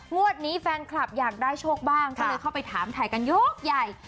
งวดนี้แฟนคลับอยากได้โชคบ้างก็เลยเข้าไปถามถ่ายกันยกใหญ่